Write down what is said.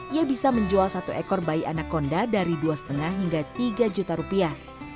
ia bisa menjual satu ekor bayi anak konda dari dua lima hingga tiga juta rupiah